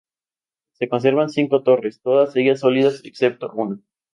Se conservan cinco torres, todas ellas sólidas excepto una.